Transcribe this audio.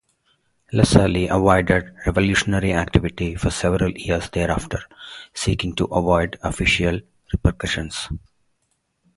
Lassalle avoided revolutionary activity for several years thereafter, seeking to avoid official repercussions.